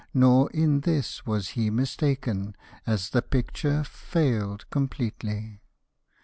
Nor in this was he mistaken, As the picture failed completely.